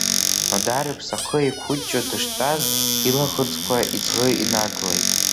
Нодар иԥсахы еиҟәыҷҷо дыштәаз, илаӷырӡқәа иӡӷы инадлеит.